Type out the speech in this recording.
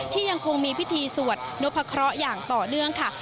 ที่ยังคงมีพิธีสวดนพครอย่างต่อเนื่องค่ะ